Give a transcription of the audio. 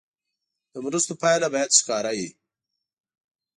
د مرستو پایله باید ښکاره وي.